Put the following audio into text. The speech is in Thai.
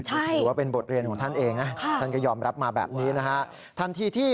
ถือว่าเป็นบทเรียนของท่านเองนะท่านก็ยอมรับมาแบบนี้นะฮะทันทีที่